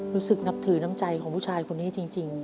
นับถือน้ำใจของผู้ชายคนนี้จริง